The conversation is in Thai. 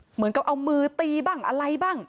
เหมือนกับเอามือตีบ้างอะไรบ้าง